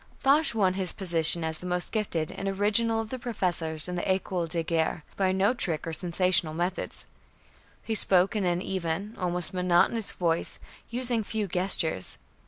Foch won his position as "the most gifted and original of the professors in the École de Guerre" by no trick or sensational methods. He spoke in an even, almost monotonous voice, using few gestures.